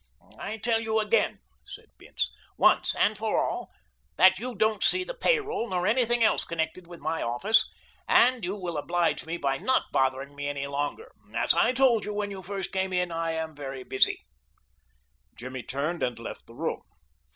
"I tell you again," said Bince, "once and for all, that you don't see the pay roll nor anything else connected with my office, and you will oblige me by not bothering me any longer. As I told you when you first came in, I am very busy." Jimmy turned and left the room.